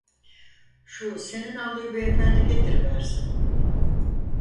Şu senin havluyu beyefendi getiriverse!